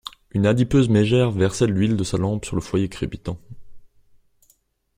Une adipeuse mégère versait l'huile de sa lampe sur le foyer crépitant.